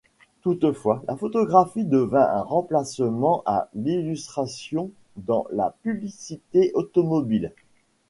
Toutefois, la photographie devint un remplaçant à l'illustration dans la publicité automobile.